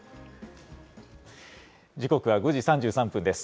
時刻は５時３３分です。